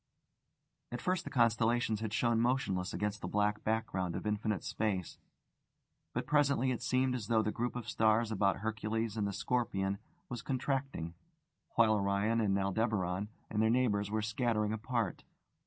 At first the constellations had shone motionless against the black background of infinite space; but presently it seemed as though the group of stars about Hercules and the Scorpion was contracting, while Orion and Aldebaran and their neighbours were scattering apart.